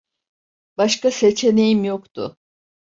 Başka seçeneğim yoktu.